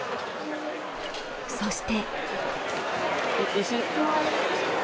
そして。